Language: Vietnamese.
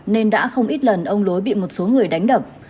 nên đã không ít lần ông lối bị một số người đánh đập